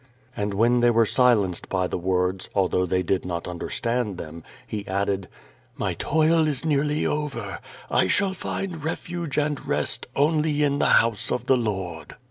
And when they were silenced by the words, although they did not understand them, he added: "My toil is nearly over: I shall find refuge and rest only in the House of the I^ord.